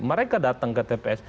mereka datang ke tps